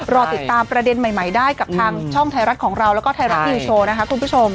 รอติดตามประเด็นใหม่ได้กับทางช่องไทยรัฐของเราแล้วก็ไทยรัฐนิวโชว์นะคะคุณผู้ชม